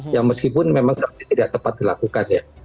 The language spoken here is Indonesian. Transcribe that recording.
yang meskipun memang seperti tidak tepat dilakukan ya